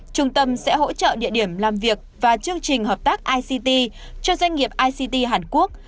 trung tâm sẽ hỗ trợ địa điểm làm việc và chương trình hợp tác ict cho doanh nghiệp ict hàn quốc